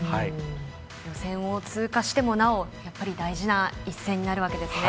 予選を通過してもなおやっぱり大事な一戦になるわけですね。